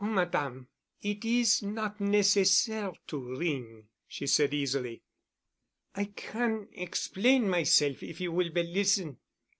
"Oh, Madame, it is not necessaire to ring," she said easily. "I can explain myself if you will but listen."